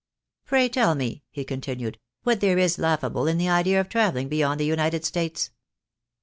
"Pray tell me," he continued, "what there is laughable in the idea of travelling beyond the United States?"